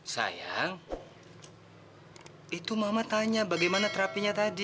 sayang itu mama tanya bagaimana terapinya tadi